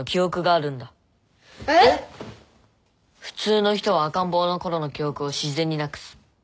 普通の人は赤ん坊のころの記憶を自然になくす。